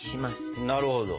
なるほど。